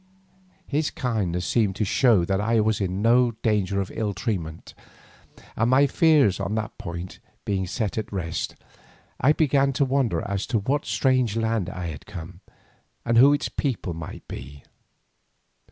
His kindness seemed to show that I was in no danger of ill treatment, and my fears on that point being set at rest, I began to wonder as to what strange land I had come and who its people might be.